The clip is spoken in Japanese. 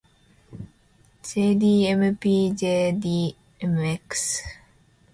jdmpjdmx